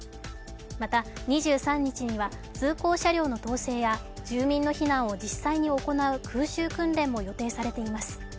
また２３日には通行車両の統制や住民の避難を実際に行う空襲訓練も予定されています。